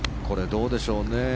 これ、どうでしょうね。